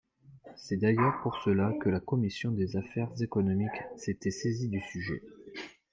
C’est d’ailleurs pour cela que la commission des affaires économiques s’était saisie du sujet.